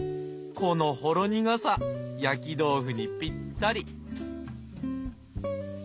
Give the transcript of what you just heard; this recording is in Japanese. このほろ苦さ焼き豆腐にぴったり！